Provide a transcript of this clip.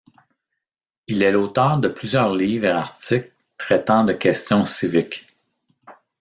Il est l'auteur de plusieurs livres et articles traitant de questions civiques.